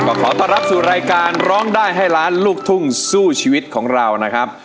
ก็ขอต้อนรับสู่รายการร้องได้ให้ล้านลูกทุ่งสู้ชีวิตของเรานะครับ